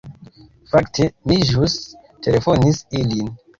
Fakte, mi ĵus telefonis ilin.